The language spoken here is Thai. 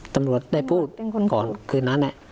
ตำรวจได้พูดก่อนคืนนั้น